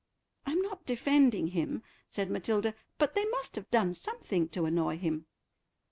"I'm not defending him," said Matilda, "but they must have done something to annoy him."